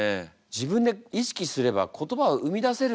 自分で意識すれば言葉を生み出せるんですね。